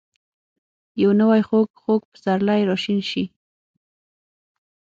یو نوی ،خوږ. خوږ پسرلی راشین شي